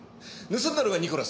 盗んだのがニコラス。